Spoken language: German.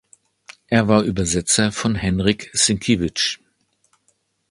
Er war Übersetzer von Henryk Sienkiewicz.